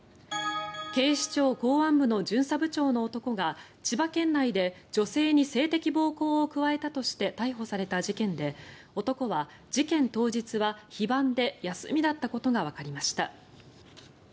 警視庁公安部の巡査部長の男が千葉県内で女性に性的暴行を加えたとして逮捕された事件で男は事件当日は非番で休みだったことがわかりました。